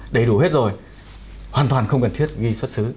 đầy đủ hết rồi hoàn toàn không cần thiết ghi xuất xứ